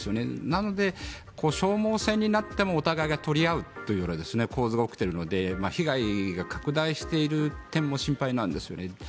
なので、消耗戦になってもお互いが取り合うというような構図が起きているので被害が拡大している点も心配なんですよね。